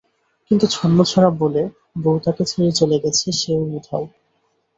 কিন্তু ছন্নছাড়া বলে বউ তাকে ছেড়ে চলে গেছে, সে ও উধাও।